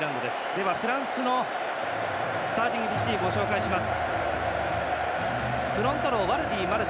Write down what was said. では、フランスのスターティングフィフティーンをご紹介します。